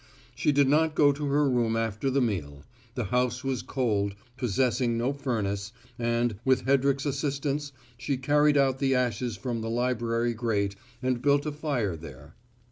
She did not go to her room after the meal; the house was cold, possessing no furnace, and, with Hedrick's assistance, she carried out the ashes from the library grate, and built a fire there.